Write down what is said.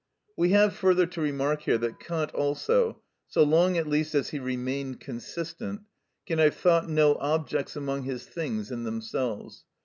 We have further to remark here that Kant also, so long at least as he remained consistent, can have thought no objects among his things in themselves.